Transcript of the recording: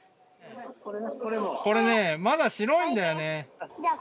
これね、まだ白いんだよね。